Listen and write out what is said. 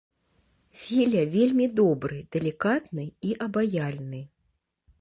Філя вельмі добры, далікатны і абаяльны.